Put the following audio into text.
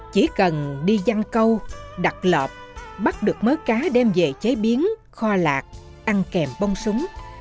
chỉ cần đi dăn câu đặt lợp bắt được mớ cá đem về chế biến kho lạc ăn kèm bông súng